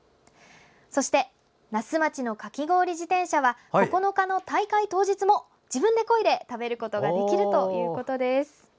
そして那須町のかき氷自転車は９日の大会当日も自分でこいで食べることができるということです。